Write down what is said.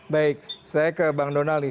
baik saya ke bang donal nih